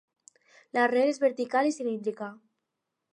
L'arrel és vertical i cilíndrica.